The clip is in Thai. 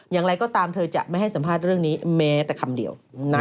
อย่างไรก็ตามเธอจะไม่ให้สัมภาษณ์เรื่องนี้แม้แต่คำเดียว